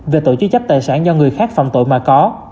về tội chứa chấp tài sản do người khác phòng tội mà có